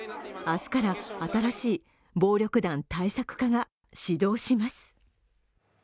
明日から新しい暴力団対策課が始動します。